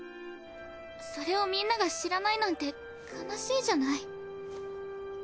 それをみんなが知らないなんて悲しいじゃない。